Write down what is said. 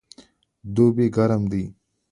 دوبی ګرم دی